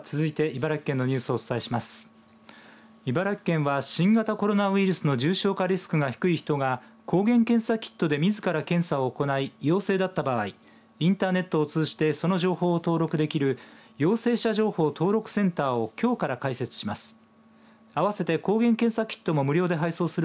茨城県は、新型コロナウイルスの重症化リスクが低い人が抗原検査キットでみずから検査を行い陽性だった場合、インターネットを通じてその情報を登録できる陽性者情報登録センターをきょうから開設します。